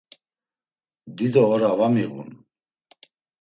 Dido ora va miğun.